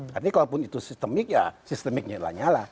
tapi kalaupun itu sistemik ya sistemiknya lanyala